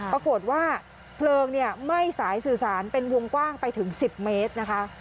ปรากฏว่าเพลิงไหม้สายสื่อสารเป็นวงกว้างไปถึง๑๐เมตรนะคะ